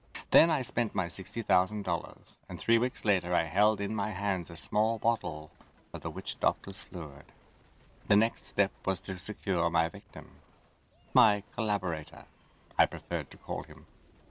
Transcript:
Then I spent my sixty thousand dollars, and three weeks later I held in my hands a small bottle of the witch doctors' fluid. The next step was to secure my victim my collaborator, I preferred to call him.